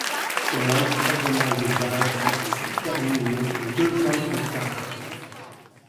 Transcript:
Son entraînement de base s'est terminé deux ans plus tard.